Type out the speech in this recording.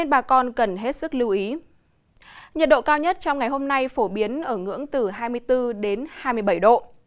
nhiệt độ cao nhất trong ngày hôm nay phổ biến ở ngưỡng từ hai mươi bốn đến hai mươi bảy độ